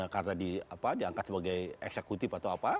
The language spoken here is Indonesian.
karena diangkat sebagai eksekutif